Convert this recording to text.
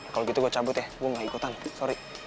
kalau gitu gue cabut ya gue gak ikutan sorry